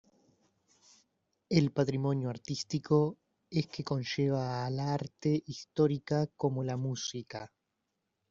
El patrimonio artístico es que conlleva a la arte histórica como la música.